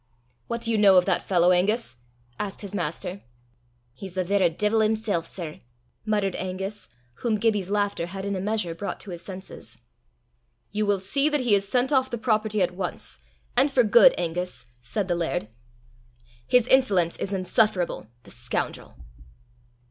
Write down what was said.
"What do you know of that fellow, Angus!" asked his master. "He's the verra deevil himsel', sir," muttered Angus, whom Gibbie's laughter had in a measure brought to his senses. "You will see that he is sent off the property at once and for good, Angus," said the laird. "His insolence is insufferable. The scoundrel!"